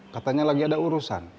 katanya lagi ada urusan